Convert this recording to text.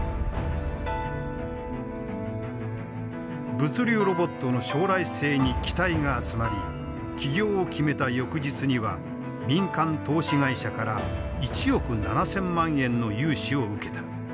物流ロボットの将来性に期待が集まり起業を決めた翌日には民間投資会社から１億７，０００万円の融資を受けた。